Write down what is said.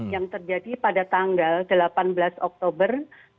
yang terjadi pada tanggal delapan belas oktober dua ribu dua puluh